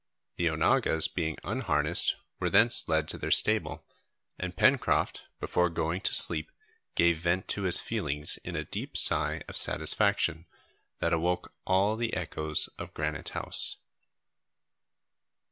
The onagas being unharnessed, were thence led to their stable, and Pencroft before going to sleep gave vent to his feelings in a deep sigh of satisfaction that awoke all the echoes of Granite House.